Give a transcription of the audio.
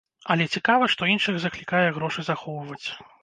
Але цікава, што іншых заклікае грошы захоўваць.